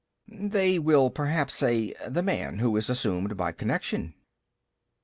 B. They will perhaps say, The man who is assumed by connection. A.